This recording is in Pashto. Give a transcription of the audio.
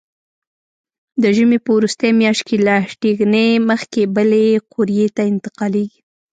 د ژمي په وروستۍ میاشت کې له ټېغنې مخکې بلې قوریې ته انتقالېږي.